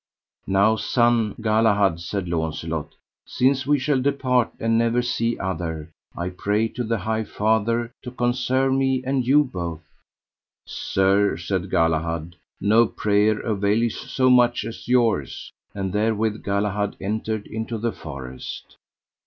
Now, son Galahad, said Launcelot, since we shall depart, and never see other, I pray to the High Father to conserve me and you both. Sir, said Galahad, no prayer availeth so much as yours. And therewith Galahad entered into the forest.